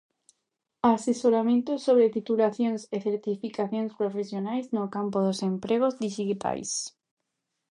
Asesoramento sobre titulacións e certificacións profesionais no campo dos empregos dixitais.